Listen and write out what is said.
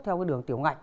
theo cái đường tiểu ngạch